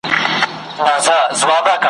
موږ په سېل درڅخه ولاړو ګېډۍ مه راوړه باغوانه ,